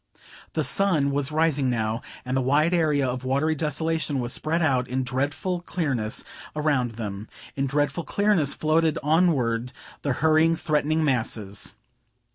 The sun was rising now, and the wide area of watery desolation was spread out in dreadful clearness around them; in dreadful clearness floated onward the hurrying, threatening masses.